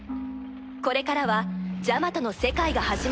これからはジャマトの世界が始まるのです